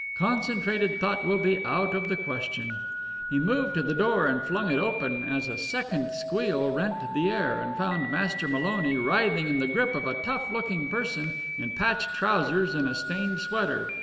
Concentrated thought will be out of the question." He moved to the door and flung it open as a second squeal rent the air, and found Master Maloney writhing in the grip of a tough looking person in patched trousers and a stained sweater.